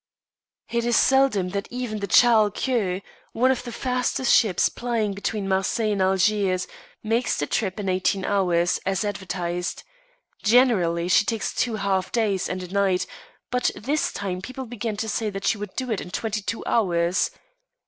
It is seldom that even the Charles Quex, one of the fastest ships plying between Marseilles and Algiers, makes the trip in eighteen hours, as advertised. Generally she takes two half days and a night, but this time people began to say that she would do it in twenty two hours.